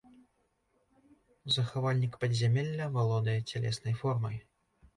Захавальнік падзямелля валодае цялеснай формай.